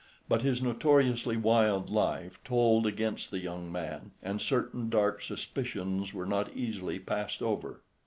But his notoriously wild life told against the young man, and certain dark suspicions were not easily passed over.